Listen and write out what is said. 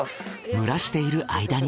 蒸らしている間に。